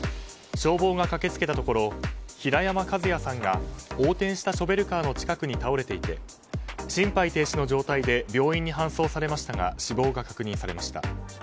消防が駆け付けたところ平山和也さんが横転したショベルカーの近くに倒れていて心肺停止の状態で病院に搬送されましたが死亡が確認されました。